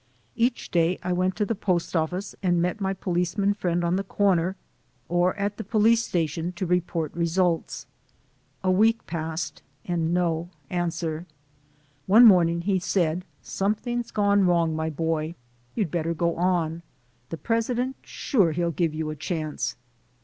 Each day I went to the post office and met my policeman friend on the corner or at the police sta 160 THE SOUL OF AN IMMIGRANT tion to report results. A week passed and no an swer. One morning he said, "Something's gone wrong, my boy. You'd better go on. The president sure'll give you a chance."